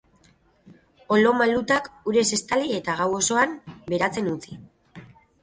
Olo malutak urez estali eta gau osoan beratzen utzi.